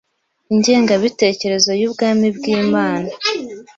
Ingengabitekerezo y’ubwami bw’Imana"